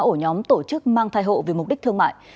ổ nhóm tổ chức mang thai hộ vì mục đích thương mại